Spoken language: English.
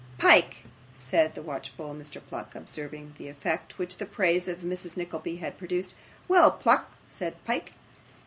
'Pyke,' said the watchful Mr. Pluck, observing the effect which the praise of Miss Nickleby had produced. 'Well, Pluck,' said Pyke.